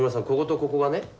こことここがね